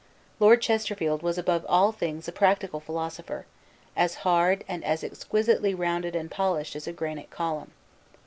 Lord Chesterfield was above all things a practical philosopher, as hard and as exquisitely rounded and polished as a granite column.